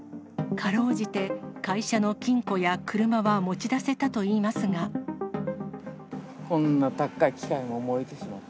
かろうじて会社の金庫や車はこんな高い機械も燃えてしまって。